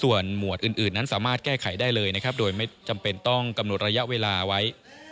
ส่วนหมวดอื่นนั้นสามารถแก้ไขได้เลยนะครับโดยไม่จำเป็นต้องกำหนดระยะเวลาไว้